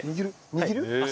握る？